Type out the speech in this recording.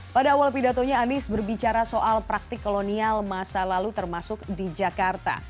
pada awal pidatonya anies berbicara soal praktik kolonial masa lalu termasuk di jakarta